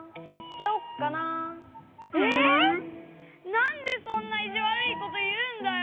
なんでそんないじわるいこというんだよ！